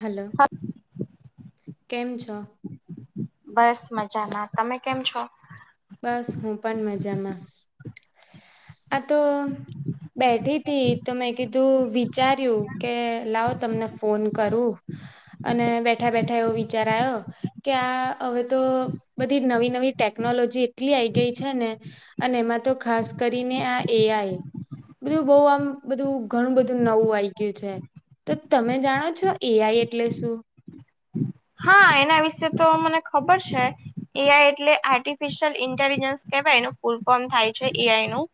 Hello હ કેમ છ બસ મજા ના તમે કેમ છો. બસ હું પણ મજામાં આ તો બેઠી હતીથી તો મેં કીધું વિચાર્યું કે લાવ તમને ફોન કરું અને બેઠા બેઠા એવો વિચાર આવ્યો કે્યા હવે તો બધી નવી નવી ટેકનોલોજી એટલી આઈ ગઈ છે ને અને એમાં તો ખાસ કરીને આ એઆઈ બધું બઉ આમ બધું ઘણું બધું નવું આઈ ગયુ છે તો તમે જાણો છો એઆઈ એટલે શું? હા એના વિશે તો મને ખબર છે એઆઈ એટલે આર્ટિફિશિયલ ઇન્ટેલિજન્સ કેવાય એનું ફૂલ ફોર્મ થાય છે એઆઈ નું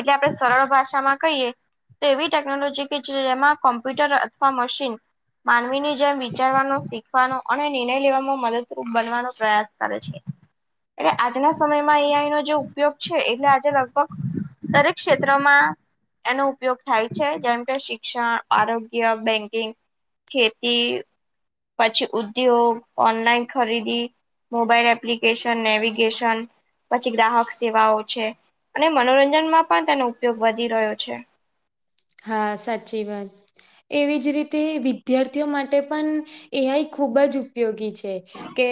એટલે આપડે સરળ ભાષામાં કહીએ તો એવી ટેકનોલોજી કે જેમાં કોમ્પ્યુટર અથવા મશીન માનવી ની જેમ વિચારવાનું શીખવાનો અને નિર્ણય લેવામાં મદદરૂપ બનવાનો પ્રયાસ કરે છે. એટલે આજના સમયમાં એઆઈ નો જે ઉપયોગ છે એટલે આજે લગભગ દરેક ક્ષેત્રમાં એનો ઉપયોગ થાય છે જેમ કે શિક્ષણ આરોગ્ય બેંકિંગ ખેતી પછી ઉદ્યોગ ઓનલાઈન ખરીદી મોબાઈલ એપ્લિ કેશન નેવિગેશન પછી ગ્રાહક સેવાઓ છે અને મનોરંજનમાં પણ તેનો ઉપયોગ વધી રહ્યો છે. હા સાચી વાત એવી જ રીતે વિદ્યાર્થીઓ માટે પણ એ આઈ ખુબ જ ઉપયોગી છે. કે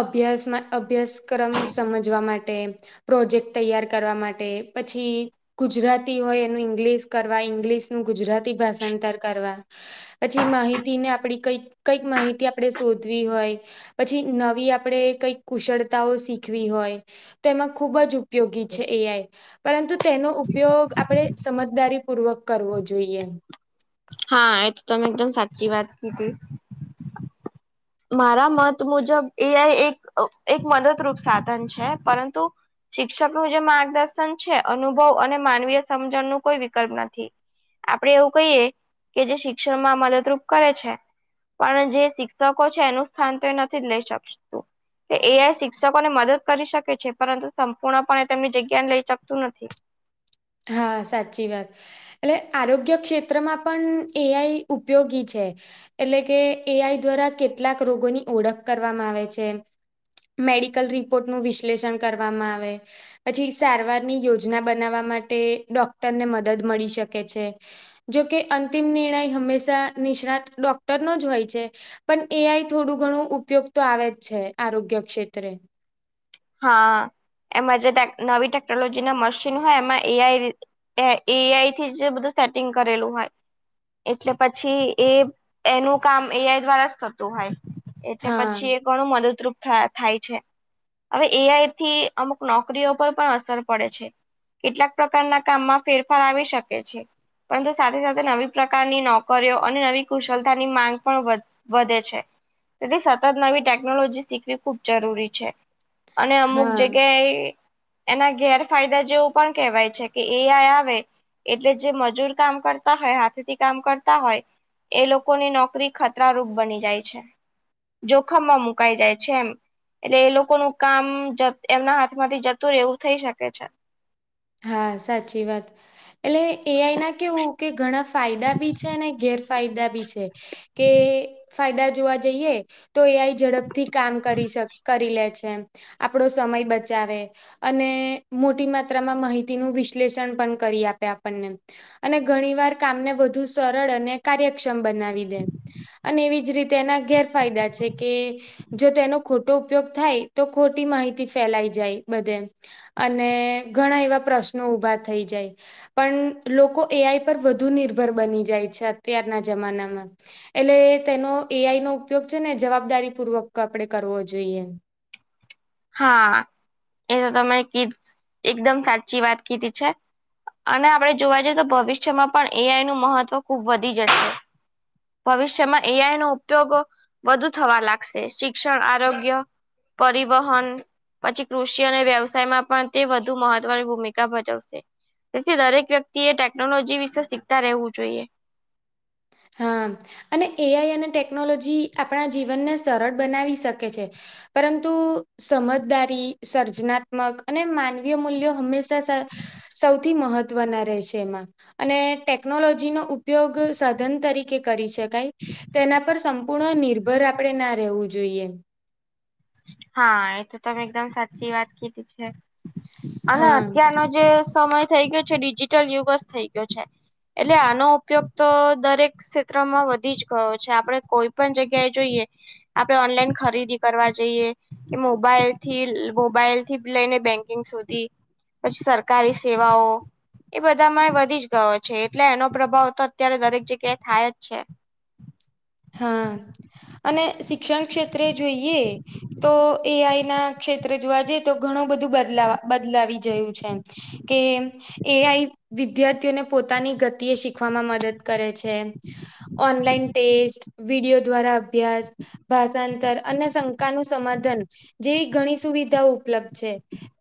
અભ્યાસમાં અભ્યાસક્રમ સમજવા માટે પ્રોજેક્ટ તૈયાર કરવા માટે પછી ગુજરાતી હોય એનું ઇંગલિશ કરવા ઇંગ્લિશનું ગુજરાતી ભાષાંતર કરવા પછી માહિતી ને આપડી કઈ કઈક માહિતી આપણેે શોધવી હોય પછી નવી આપણે કઈ કુશળતાઓ શીખવી હોય તો એમાં ખૂબ જ ઉપયોગી છે એ આઈ પરંતુ તેનો ઉપયોગ આપણે સમજદારી પૂર્વક કરવો જોઈએ. હા એ તો તમે એકદમ સાચી વાત કીધી મારા મત મુજબ એ આઈ એક એક મદદરૂપ સાધન છે પરંતુ શિક્ષક નું જે માર્ગદર્શન છે અનુભવ અને માનવીય સમજણ નું કોઈ વિકલ્પ નથી. આપણેે એવું કહીએ કે જે શિક્ષણમાં મદદરૂપ કરે છે પણ જે શી શકો છે એનું સ્થાન તો એ નથી જ લઈ શકતું. એઆઈ શિક્ષકોને મદદ કરી શકે છે પરંતુ સંપૂર્ણ પણે તેમની જગ્યાને લઈ શકતું નથી. હા સાચી વાત. એટલે આરોગ્ય ક્ષેત્રમાં પણ એઆઈ ઉપયોગી છે. એટલે કે એ આઈ દ્વારા કેટલાક રોગોની ઓળખ કરવામાં આવે છે. મેડિકલ રિપોર્ટનું વિશ્લેષણ કરવામાં આવે. પછી સારવારની યોજના બનાવવા માટે ડોક્ટરને મદદ મળી શકે છે. જોકે અંતિમ નિર્ણય હંમેશા નિષ્ણાત ડોક્ટર નો જ હોય છે. પણ એ આઈ થોડું ઘણું ઉપયોગ તો આવે જ છે આરોગ્ય ક્ષેત્રે. હા એમાં જે નવી ટેકનોલોજી ના મશીન હોય એમાં એઆઈ એ એઆઈ થી જે બધું સેટિંગ કરેલું હોય. એટલે પછી એ એનું કામ એઆઈ દ્વારા જ થતું હોય. એટલે હા પછી એ ઘણું મદદરૂપ થા થાય છે. હવે એઆઈથી અમુક નોકરીઓ પર પણ અસર પડે છે. કેટલાક પ્રકારના કામમાં ફેરફાર આવી શકે છે. પરંતુ સાથે સાથે નવી પ્રકારની નોકરીઓ અને નવી કુશળતાની માંગ પણ વધ વધે છે તેથી સતત નવી ટેકનોલોજી શીખવી ખૂબ જરૂરી છે. અને અમુક હા. જગ્યાએ એના ગેરફાયદા જેવું પણ કેહેવાય છે કે એ આઈ આવે એટલે જે મજૂર કામ કરતા હોય હાથેથી કામ કરતા હોય એ લોકોની નોકરી ખતરારૂપ બની જાય છે. જોખમમાં મુકાઈ જાય છે એમ એટલે એ લો કોનું કામ જ એમના હાથમાંથી જતું રે એવું થઈ શકે છે. હા, સાચી વાત એટલે એઆઈ ના કેવું કે ઘણા ફાયદા બી છે ને ગેરફાયદા બી છે, કે ફાયદા જોવા જઈએ. તો એઆઈ ઝડપથી કામ કરી સ કરી લે છેમ. આપડો સમય બચાવે અને મોટી માત રામા માહિતીનું વિશ્લેષણ પણ કરી આપે આપણને. અને ઘણી વાર કામને વધુ સરળ અને કાર્યક્ષમ બનાવી દે અને એવી જ રી તેના ગેરફાયદા છે કે જો તેનો ખોટો ઉપયોગ થાય, તો ખોટી માહિતી ફેલાઈ જાય બધે. અને ઘણા એવા પ્રશ્નો ઊભા થઈ જાય. પણ લોકો એઆઈ પર વધુ નિર્ભર બની જાય છે, અત્યારના જમાનામાં. એટલે તેનો એઆઈ નો ઉપયોગ છે ને જવાબદારી પૂર્વક આપણેે કરવો જોઈએ. હા, એ ત તમે કી એકદમ સાચી વાત કીધી છે. અને આપડણે જોવા જઈએ, તો ભવિષ્યમાં પણ એઆઈ નું મહત્વ ખુબ વધી જશે. ભવિષ્યમાં એઆઈ નો ઉપયોગ વધુ થવા લાગસે. શિક્ષણ, આરોગ્ય, પરિ વહન પછી કૃષિ અને વ્યવસાયમાં પણ તે વધુ મહત્વની ભૂમિકા ભજવસે. તેથી દરેક વ્યક્તિ એ ટેકનોલોજી વિસે સીકતા રેવું જોઈએ. હા અને એઆઈ અને ટેકનોલોજી આપણા જીવનને સરળ બનાવી શકે છે. પરંતુ સમજદારી, સર્જનાત્મક અને માનવીય મૂલ્યો હંમે સસ સૌથી મહ ત્વના રહે સે. એમાં અને ટેકનોલોજી નો ઉપયોગ સાધન તરીકે કરી શ તઇ તેના પર સંપૂર્ણ નિર્ભર આપડે ના રેવું જોઈએ. હા, એ તો તમે એકદમ સાચી વાત કીધી છે. અને હા અત્યારનો જે સમય થઇ ગયો છે, ડિજિટલ યુગ સ થઇ ગયો છે. એટલે આનો ઉપયોગ તો દરેક સેત્રમાં વધી જ ગયો છે. આપડે કોઈ પણ જગ્યાએ જોઈએ, આપડે ઓનલાઈન ખરીદી કરવા જઈએ કે મોબાઈલથી લ મોબાઈલથી લઈને બેંકિંગ સુધી પછી સરકારી સેવાઓ એ બધામાંયે વધી જ ગયો છે એટલે એનો પ્રભાવ તો અત્યારે દરેક જગ્યાએ થાય જ છે. હા અને શિક્ષણ ક્ષેત્રે જોઈએ તો એઆઈ ના ક્ષેત્રે જોવા જઈએ, તો ઘણું બધું બદલાવ બદલાવી જયું છે. કે એમ એઆઈ વિદ્યાર્થીઓને પોતાની ગતિએ શીખવામાં મદદ કરે છે. ઓનલાઈન ટેસ્ટ, વિડીયો દ્વારા અભ્યાસ.... ભાષાંતર અને સંકાનું સમાધાન જેવી ઘણી સુવિધાઓ ઉપલબ્ધ છે.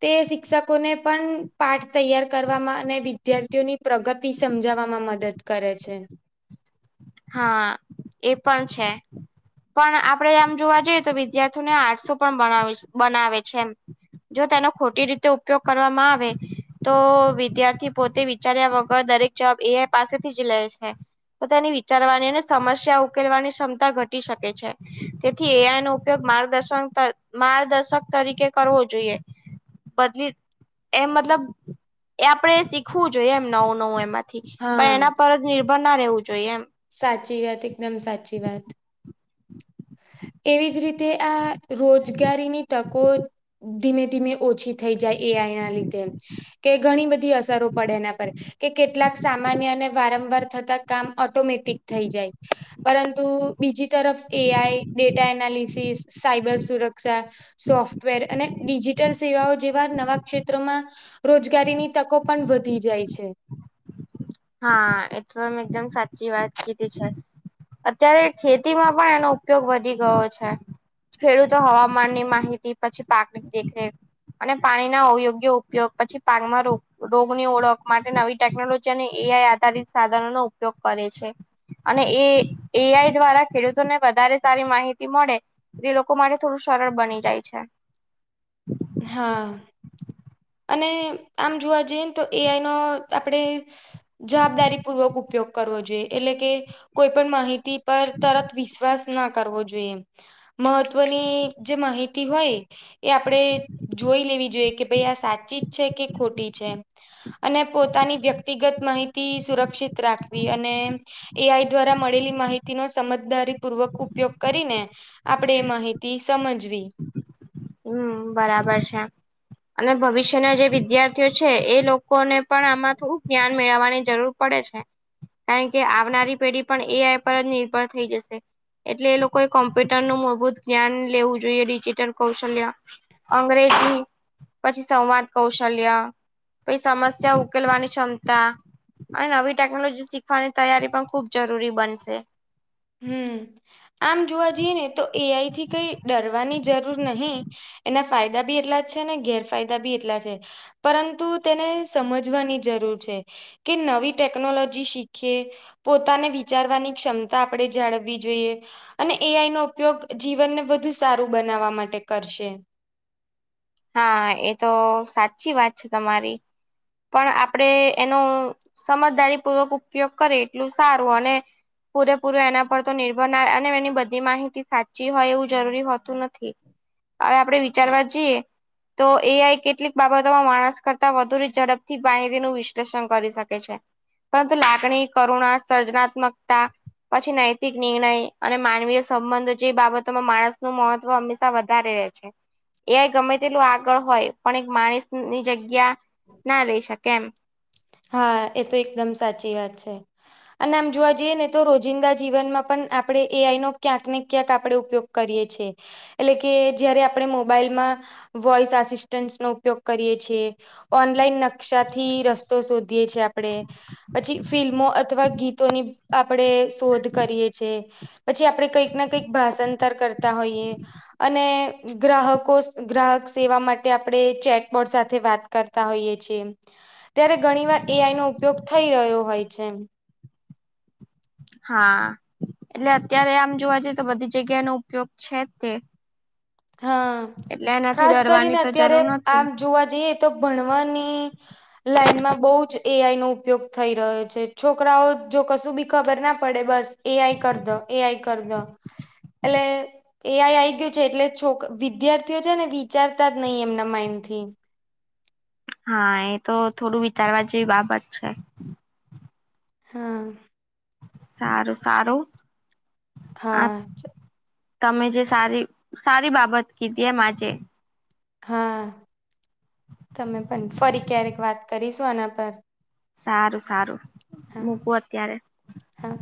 તે શિક્ષકોને પણ પાઠ તૈયાર કરવામાં અને વિદ્યાર્થીઓની પ્રગતિ સમજાવામાં મદદ કરે છે. હા, એ પણ છે. પણ આપડે આમ જોવા જઈએ તો, વિદ્યાર્થીઓને આળસુ પણ બણાવે બનાવે છે એમ. જો તેનો ખોટી રીતે ઉપયોગ કરવામાં આવે. તો વિદ્યાર્થી પોતે વિચાર્યા વગર દરેક જવાબ એઆઇ પાસેથી જ લેય છે. પોતાની વિચારવાની ને સમશ્યા ઉકેલવાની સમતા ઘટી શકે છે. તેથી એઆઇ નો ઉપયોગ માર્ગદર્શન ત માર્ગદર્શક તરીકે કરવો જોઈએ. બદલીત એ મતલબ એ આપણે શીખવું જોઈએ, એમ નવું નવું એમાં. પણ હા એના પર જ નિર્ભર ના રેવું જોઈએ એમ. સાચી વાત, એકદમ સાચી વાત. એવી જ રીતે આ રોજગારીની તકો ધીમે ધીમે ઓછી થઈ જાય એઆઈના લીધે, કે ઘણી બધી અસરો પડે એના પર. કે કેટલાક સામાન્ય અને વારંવાર થતા કામ ઓટોમેટિક થઈ જાય. પરંતુ બીજી તરફ એઆઈ ડેટા એનાલિસિસ સાયબર સુરક્ષા. સોફ્ટવેર અને ડિજિટલ સેવાઓ જેવા નવા ક્ષેત્રોમાં. રોજગારીની તકો પન વધી જાય છે. હા એ તો તમે એકદમ સાચી વાત કીધી છે. અત્યારે ખેતીમાં પણ એનો ઉપયોગ વધી ગયો છે. ખેડૂતો હવામાનની માહિતી પછી પાકની દેખરેખ. અને પાણીના અવયોગ્ય ઉપયોગ પછી પાકમાં રોગ રોગની ઓળખ માટે નવી ટેકનોલોજીની. એઆઈ આધારિત સાધનો નો ઉપયોગ કરે છે. અને એ એઆઈ દ્વારા ખેડૂતોને વધારે સારી માહિતી મળે. જે લોકો માટે થોડું સરળ બની જાય છે. હા. અને આમ જોવા જઈએ ને તો એઆઈ નો આપડે. જવાબદારી પૂર્વક ઉપયોગ કરવો જોઈએ એટલે કે કોઈ પણ માહિતી. પર તરત વિશ્વાસ ના કરવો જોઈએ મહત્વની જે માહિતી હોય. એ આપડે જોઈ લેવી જોઈએ કે. ભઈ આ સાચી જ છે કે ખોટી છે એમ અને પોતાની વ્યક્તિગત મા. માહિતી સુરક્ષિત રાખવી અને. એઆઈ દ્વારા મળેલી માહિતીનો સમજદારી પૂર્વક ઉપ. ઉપયોગ કરીને આપડે માહિતી સમજવી. હું બરાબર છે અને ભવિષ્યના જે વિદ્યાર્થીઓ છે એ લોકોને. પણ આમાં થોડુંક જ્ઞાન મેળવવાની જરૂર પડે છે. કારણ કે આવનારી પેઢી પણ એઆઈ પર જ નિર્ભર થઈ જશે. એટલે એ લોકોએ કોમ્પ્યુટર નું મૂળભૂત જ્ઞાન લેવું જોઈએ ડિજિટલ. કૌશલ્ય અંગ્રેજી. પછી સંવાદ કૌશલ્ય પછી સમસ્યા ઉકેલવાની ક્ષમતા. અને નવી ટેકનોલોજી શીખવાની તૈયારી પણ ખુબ જરૂરી બનશે. હમ. આમ જોવા જઈએ ને તો એઆઈ થી કઈ ડરવાની જરૂર નહી એના. ફાયદા બી એટલા જ છે ને ગેરફાયદા બી એટલા છે. પરંતુ તેને સમજવાની જરૂર છે. કે નવી ટેકનોલોજી શીખીએ પોતાને વિચારવાની ક્ષમ. આપણે જાળવવી જોઈએ. અને એ આઈ નો ઉપયોગ જીવનને વધુ સારું બનાવવા માટે કરશે. હા એ તો સાચી વાત છે તમારી. પણ આપડે એનો સમજદારી પૂર્વક ઉપયોગ કરીએ એટલું સારું અને. પૂરેપૂરો એના પર તો નિર્ભર ના અને એની બધી માહિતી સાચી હોય એવું જરૂરી હોતું નથી. હવે આપડે વિચારવા જઈએ. તો એઆઈ કેટલીક બાબતોમાં માણસ કરતા વધુ ઝડપથી પાહીરી નું વિશ્લેષણ કરી શકે છે. પરંતુ લાગણી કરુણા સર્જનાત્મકતા. પછી નૈતિક નિર્ણય અને માનવીય સંબંધો જે બાબતોમાં માણસ નું મહત્વ હમેશ. વધારે રહે છે એ આઈ ગમે. આગળ હોય પણ એક માણસ ની જગ્યા ના લઈ શકે એમ. હા એ તો એકદમ સાચી વાત છે. અને આમ જોવા જઈએ ને તો રોજિંદા જીવનમાં પણ આપણે એ આઈ નો ક્યાંકને ક્યાંક આપડે ઉપયોગ. કરીએ છીએ. એટલે કે જયારે આપણે મોબાઈલમાં વોઇસ આસિસ્ટન્ટનો ઉપયોગ કરીએ છીયે. ઓનલાઈન નકશાથી રસ્. તો શોધીએ છીએ આપણે. પછી ફિલ્મો અથવા ગીતોની આપણેે શોધ કરીએ છે. પછી આપડે કંઈક ના કંઈક ભાષાંતર કરતા હોઈએ અને ગ્રાહકો ગ્રાહક સેવા માટે આપણે ચેટબોર્ડ સાથે વાત કરતા હોઈએ છીએ. ત્યારે ઘણી વાર એ આઈ નો ઉપયોગ થઈ રહ્યો હોય છે. હા એટલે અત્યારે આમ જોવા જઈએ તો બધી જગ્યા નો ઉપયોગ છે જ તે. હા એટલે એનાથી ખાસ કરીને ડરવાની તો અત્યારે જરૂર આમ નથી. જોવા જઈએ તો ભણવાની લાઈનમાં બહુ જ એ આઈ નો ઉપયોગ થઈ રહ્યો છે છોકરાઓ જો કશું બી ખબર ના પડે બસ એ આઈ કર દો એઆઈ કર દો એટલે એઆઈ આઈ ગયું છે એટલે છોક વિદ્યાર્થીઓ છે ને વિચારતા જ નહી એમના માઈન્ડ થી. હા એ તો થોડું વિચારવા જેવી બાબત છે. હા સારું સારું આપ હા તમે જે સારી સારી બાબત કીધી એમાંજે. હા તમે પણ ફરી ક્યારેક વાત કરીશું આના પર. સારું સારું હા મૂકો અત્યારે. હા.